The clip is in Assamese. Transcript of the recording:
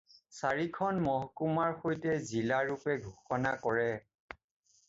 চাৰিখন মহকুমাৰ সৈতে জিলা ৰূপে ঘোষণা কৰে।